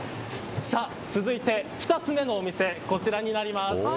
続いて、２つ目のお店こちらになります。